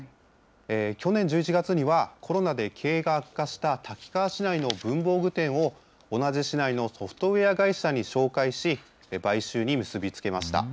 去年１１月には、コロナで経営が悪化した滝川市内の文房具店を、同じ市内のソフトウエア会社に紹介し、買収に結び付けました。